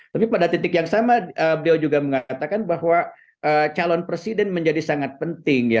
tapi pada titik yang sama beliau juga mengatakan bahwa calon presiden menjadi sangat penting ya